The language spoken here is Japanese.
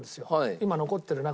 今残ってる中で。